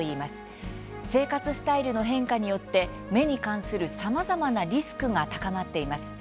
生活スタイルの変化によって目に関する、さまざまなリスクが高まっています。